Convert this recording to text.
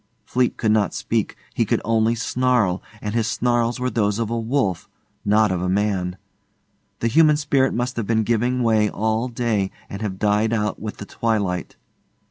Fleete could not speak, he could only snarl, and his snarls were those of a wolf, not of a man. The human spirit must have been giving way all day and have died out with the twilight.